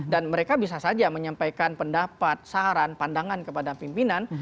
dan mereka bisa saja menyampaikan pendapat saran pandangan kepada pimpinan